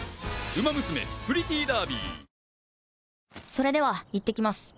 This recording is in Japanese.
それではいってきます。